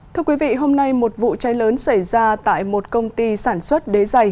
thưa quý vị hôm nay một vụ cháy lớn xảy ra tại một công ty sản xuất đế dày